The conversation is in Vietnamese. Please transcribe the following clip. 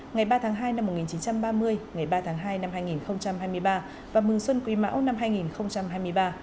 ngày ba tháng hai năm một nghìn chín trăm ba mươi ngày ba tháng hai năm hai nghìn hai mươi ba và mừng xuân quý mão năm hai nghìn hai mươi ba